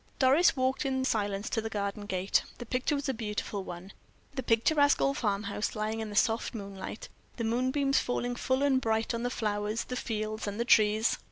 Doris walked in silence to the garden gate. The picture was a beautiful one. The picturesque old farm house lying in the soft moonlight, the moonbeams falling full and bright on the flowers, the fields, and the trees.